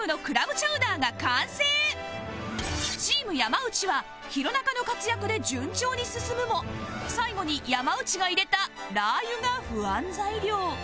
チーム山内は弘中の活躍で順調に進むも最後に山内が入れたラー油が不安材料